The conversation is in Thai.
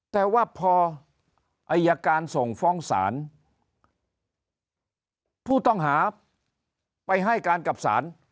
แต่ว่าพออายการส่งฟ้องศาลผู้ต้องหาไปให้การกับศาล